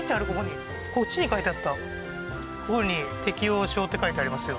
ここに適応症って書いてありますよ